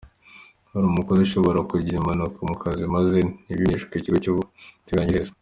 Hari umukozi ushobora kugira impanuka ku kazi maze ntibimenyeshwe Ikigo cy’Ubwiteganyirize.